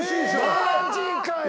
マジかよ！